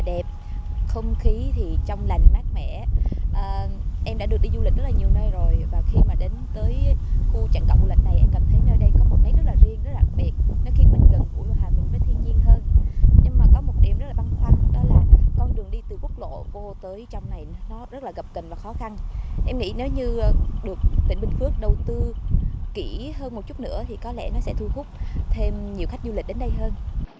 em nghĩ nếu như được tỉnh bình phước đầu tư kỹ hơn một chút nữa thì có lẽ nó sẽ thu hút thêm nhiều khách du lịch đến đây hơn